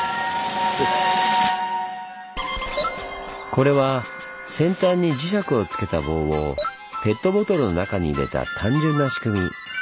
これは先端に磁石をつけた棒をペットボトルの中に入れた単純な仕組み。